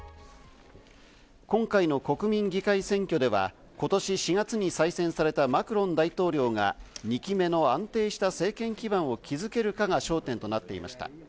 今回の国民議会選挙では、今年４月に再選されたマクロン大統領が２期目の安定した政権基盤を築けるかが焦点となっていました。